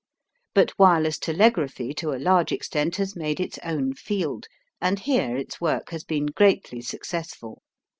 But wireless telegraphy to a large extent has made its own field and here its work has been greatly successful.